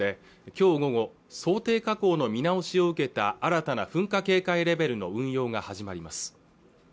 長野県と岐阜県境の御嶽山できょう午後想定火口の見直しを受けた新たな噴火警戒レベルの運用が始まります